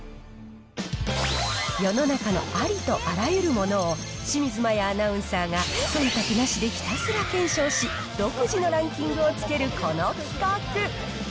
世の中のありとあらゆるものを、清水麻椰アナウンサーがそんたくなしでひたすら検証し、独自のランキングをつけるこの企画。